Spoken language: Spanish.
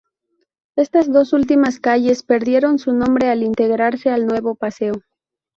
Estas dos últimas calles perdieron su nombre al integrarse al nuevo paseo.